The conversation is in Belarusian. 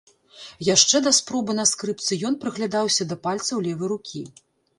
Яшчэ да спробы на скрыпцы ён прыглядаўся да пальцаў левай рукі.